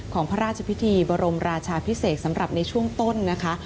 ของพระราชพิธีบรมราชาพิเศษสำหรับในช่วงต้นนะคะ